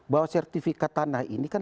bahwa sertifikat tanah ini kan